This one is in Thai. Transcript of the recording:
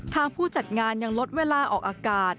ผู้จัดงานยังลดเวลาออกอากาศ